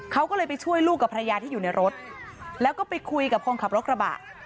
เขาก็เลยไปช่วยลูกกับภรรยาที่อยู่ในรถแล้วก็ไปคุยกับคนขับรถกระบะ